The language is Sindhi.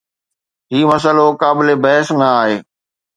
هي مسئلو قابل بحث نه آهي.